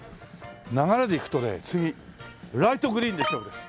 流れでいくとね次ライトグリーンで勝負です。